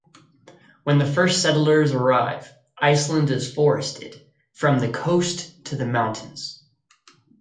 When the first settlers arrive Iceland is forested "from the coast to the mountains".